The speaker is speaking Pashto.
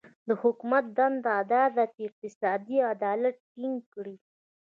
د حکومت دنده دا ده چې اقتصادي عدالت ټینګ کړي.